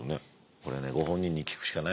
これはねご本人に聞くしかないですよ。